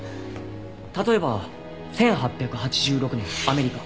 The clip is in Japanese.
例えば１８８６年アメリカ。